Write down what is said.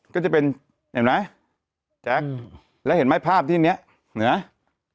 ก็จะเป็นเห็นไหมแจ๊คแล้วเห็นไหมภาพที่เนี้ยเหนือ